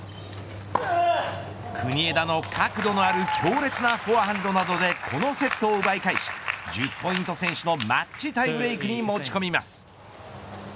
国枝の、角度のある強烈なフォアハンドなどでこのセットを奪い返し１０ポイント先取のマッチタイブレークにもち込みます。